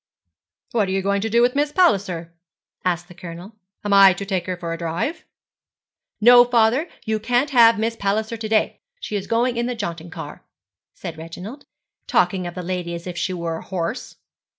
'What are you going to do with Miss Palliser?' asked the Colonel. 'Am I to take her for a drive?' 'No, father, you can't have Miss Palliser to day. She's going in the jaunting car,' said Reginald, talking of the lady as if she were a horse.